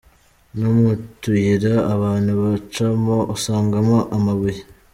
no mu tuyira abantu bacamo usangamo amabuye.